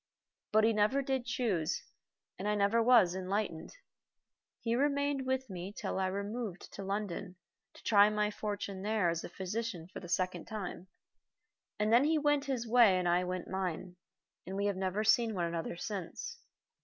But he never did choose, and I was never enlightened. He remained with me till I removed to London to try my fortune there as a physician for the second time, and then he went his way and I went mine, and we have never seen one another since.